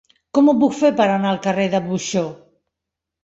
Com ho puc fer per anar al carrer de Buxó?